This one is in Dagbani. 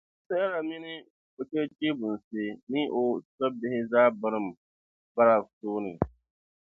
Sisɛra mini o chɛchɛbunsi ni o tɔbbihi zaa birim Barak tooni.